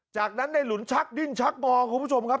จากนั้นในหลุนชักดิ้นชักงอคุณผู้ชมครับ